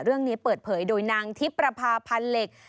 เรื่องนี้เปิดเผยโดยนางทิพประพาพันธ์เหล็ก